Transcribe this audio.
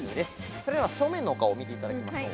それでは正面のお顔を見てみましょう。